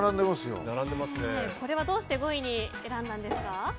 これはどうして５位に選んだんですか？